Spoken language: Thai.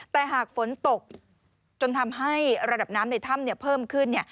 แต่หากฝนตกจนทำให้ระดับน้ำในถ้ำเพิ่มขึ้น